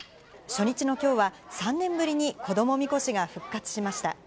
初日のきょうは、３年ぶりに子どもみこしが復活しました。